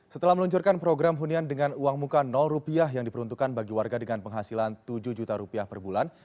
setelah meluncurkan program hunian dengan uang muka rupiah yang diperuntukkan bagi warga dengan penghasilan tujuh juta rupiah per bulan